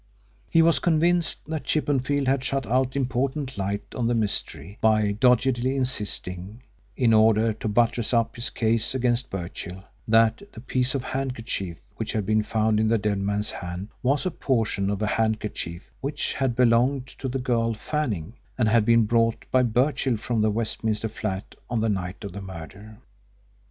He was convinced that Chippenfield had shut out important light on the mystery by doggedly insisting, in order to buttress up his case against Birchill, that the piece of handkerchief which had been found in the dead man's hand was a portion of a handkerchief which had belonged to the girl Fanning, and had been brought by Birchill from the Westminster flat on the night of the murder.